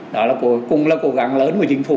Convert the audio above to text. đó là cuối cùng là cố gắng lớn của chính phủ